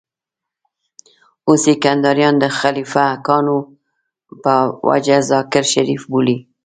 اوس يې کنداريان د خليفه ګانو په وجه ذاکر شريف بولي.